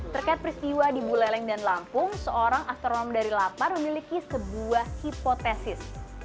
terkait peristiwa di buleleng dan lampung seorang astronom dari lapar memiliki sebuah hipotesis